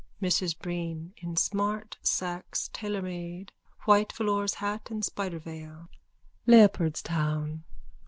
MRS BREEN: (In smart Saxe tailormade, white velours hat and spider veil.) Leopardstown.